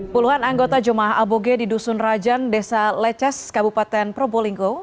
puluhan anggota jemaah aboge di dusun rajan desa leces kabupaten probolinggo